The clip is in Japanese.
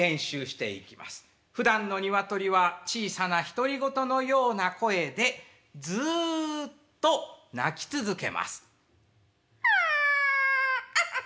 ふだんの鶏は小さな独り言のような声でずっと鳴き続けます。